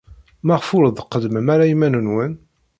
Maɣef ur d-tqeddmem ara iman-nwen?